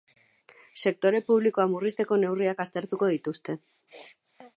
Sektore publikoa murrizteko neurriak aztertuko dituzte.